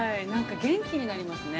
元気になりますね。